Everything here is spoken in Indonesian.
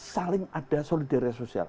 saling ada solidaritas sosial